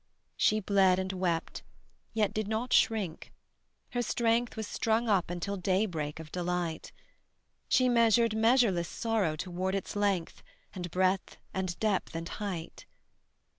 She bled and wept, yet did not shrink; her strength Was strung up until daybreak of delight: She measured measureless sorrow toward its length, And breadth, and depth, and height.